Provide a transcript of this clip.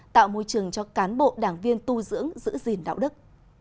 tạo môi trường cho cán bộ đảng viên tu dưỡng giữ gìn đạo đức